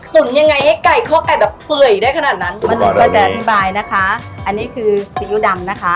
ยังไงให้ไก่เข้าไก่แบบเปื่อยได้ขนาดนั้นมนุษย์ก็จะอธิบายนะคะอันนี้คือซีอิ๊วดำนะคะ